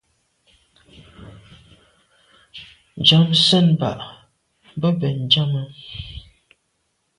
Njam sèn bag be bèn njam.